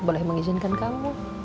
boleh mengizinkan kamu